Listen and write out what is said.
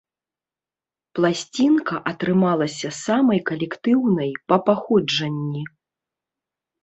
Пласцінка атрымалася самай калектыўнай па паходжанні.